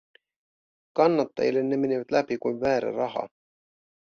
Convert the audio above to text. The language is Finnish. Kannattajille ne menivät läpi kuin väärä raha.